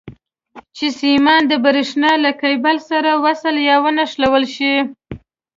چې سیمان د برېښنا له کیبل سره وصل یا ونښلول شي.